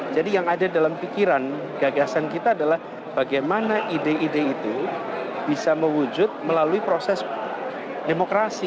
jadi yang ada dalam pikiran gagasan kita adalah bagaimana ide ide itu bisa mewujud melalui proses demokrasi